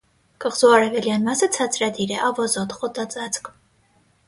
Կղզու արևելյան մասը ցածրադիր է, ավազոտ, խոտածածկ։